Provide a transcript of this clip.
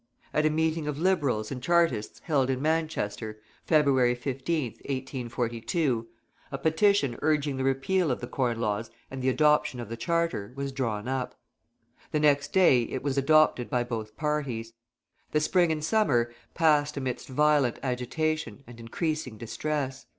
At a meeting of Liberals and Chartists held in Manchester, February 15th, 1842, a petition urging the repeal of the Corn Laws and the adoption of the Charter was drawn up. The next day it was adopted by both parties. The spring and summer passed amidst violent agitation and increasing distress.